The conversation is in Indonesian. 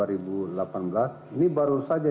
ini baru saja